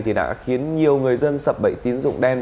thì đã khiến nhiều người dân sập bẫy tín dụng đen